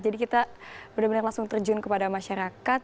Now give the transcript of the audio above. jadi kita benar benar langsung terjun kepada masyarakat